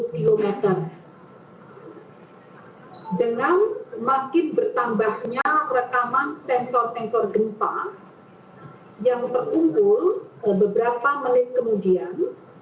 km dengan makin bertambahnya rekaman sensor sensor gempa yang terkumpul beberapa menit kemudian